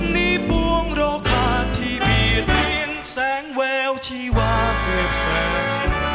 นิบวงโรคาที่เบียดเลี้ยงแสงแววชีวาเกิดแสง